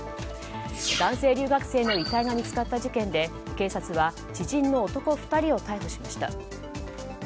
男性留学生の遺体が見つかった事件で警察は知人の男２人を逮捕しました。